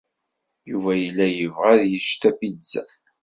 Yuba yella yebɣa ad yečč tapizza.